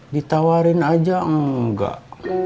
ditawarin aja enggak